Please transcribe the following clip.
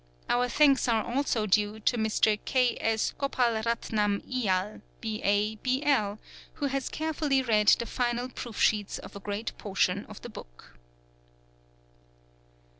Our thanks are also due to Mr. K. S. Gopalratnam Iyer, B.A., B.L., who has carefully read the final proof sheets of a great portion of the book.